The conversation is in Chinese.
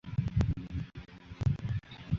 那些编码靶标蛋白的基因也被称为靶标基因。